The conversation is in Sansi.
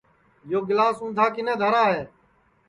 یو گِلاس اُندھا کِنے دھرا ہے